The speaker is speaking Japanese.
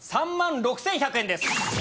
３万６１００円です。